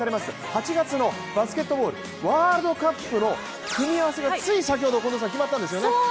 ８月のバスケットボールワールドカップの組み合わせがつい先ほど決まったんですよね。